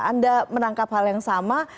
anda menangkap hal yang sama